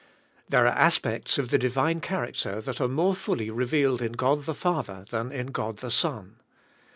There are aspects of the divine charac ter that are more fully revealed in God the Father than in God the Son.